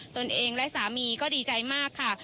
ตัวเองและสามีก็ดีใจมากค่ะ